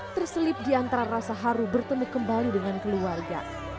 terselip di antara rasa haru bertemu kembali dengan keluarga